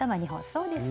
そうです！